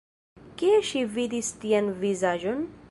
Kie ŝi vidis tian vizaĝon?